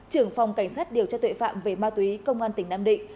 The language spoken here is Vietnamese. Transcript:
trưởng phòng cảnh sát điều tra tuệ phạm về ma túy công an tỉnh nam định